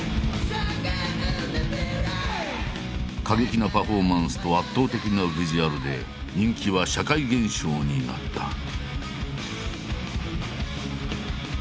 過激なパフォーマンスと圧倒的なヴィジュアルで人気は社会現象になった。